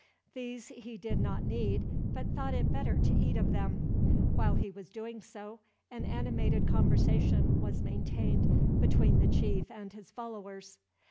These he did not need, but thought it better to eat of them. While he was so doing, an animated conversation was maintained between the chief and his followers.